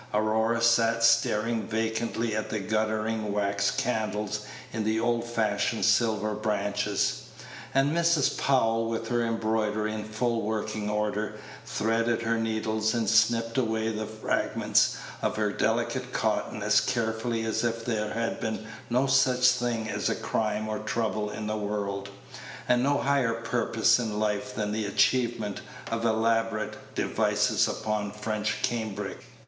Aurora sat staring vacantly at the guttering wax candles in the old fashioned silver branches; and Mrs. Powell, with her embroidery in full working order, threaded her needles and snipped away the fragments of her delicate cotton as carefully as if there had been no such thing as crime or trouble in the world, and no higher purpose in life than the achievement of elaborate devices upon French cambric.